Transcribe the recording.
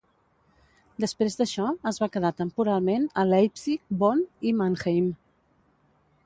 Després d'això es va quedar temporalment a Leipzig, Bonn i Mannheim.